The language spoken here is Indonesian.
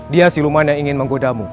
dia siluman yang ingin menggodamu